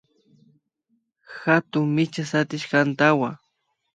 Hatun micha sapishka antawa